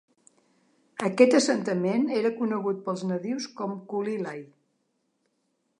Aquest assentament era conegut pels nadius com "Culilay".